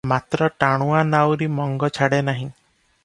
ମାତ୍ର ଟାଣୁଆ ନାଉରି ମଙ୍ଗ ଛାଡ଼େ ନାହିଁ ।